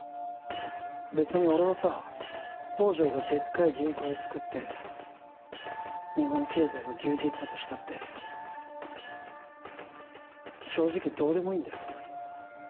別に俺はさ宝条がでっかい銀行をつくって日本経済を牛耳ったとしたって正直どうでもいいんだよ